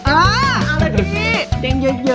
อุ้ย